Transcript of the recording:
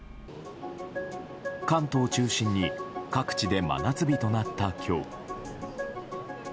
関東を中心に各地で真夏日となった今日。